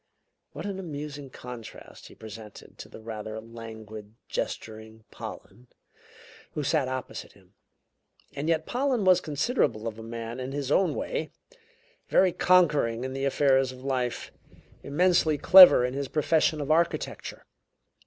What an amusing contrast he presented to the rather languid, gesturing Pollen, who sat opposite him! And yet Pollen was considerable of a man in his own way; very conquering in the affairs of life; immensely clever in his profession of architecture.